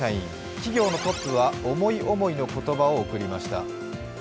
企業のトップは、思い思いの言葉を送りました。